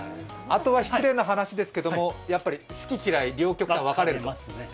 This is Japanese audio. あとは失礼な話ですけど好き嫌い、両極端分かれる？